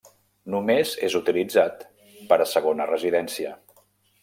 Només és utilitzat per a segona residència.